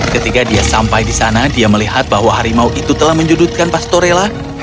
ketika dia sampai di sana dia melihat bahwa harimau itu telah menjudutkan pastorella